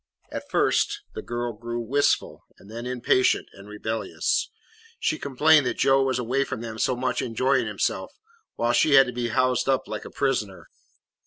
At first the girl grew wistful and then impatient and rebellious. She complained that Joe was away from them so much enjoying himself, while she had to be housed up like a prisoner.